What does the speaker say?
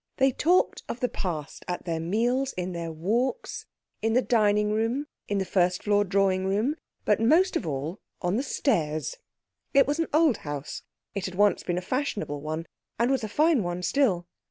They talked of the Past at their meals, in their walks, in the dining room, in the first floor drawing room, but most of all on the stairs. It was an old house; it had once been a fashionable one, and was a fine one still.